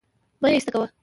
مه يې ايسته کوه